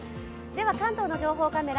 関東の情報カメラ